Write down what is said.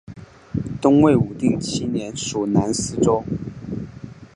东魏武定七年属南司州。